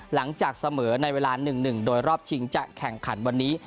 หลังจากเสมอในเวลา๑๑โดยรอบชิงจะแข่งขันวันนี้